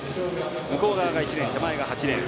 向こう側が１レーン手前側が８レーン。